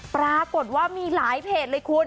ปรากฏว่ามีหลายเพจเลยคุณ